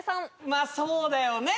まあそうだよね